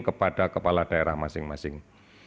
kepada kepala daerah masing masing